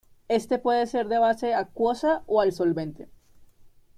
Este puede ser de base acuosa o al solvente.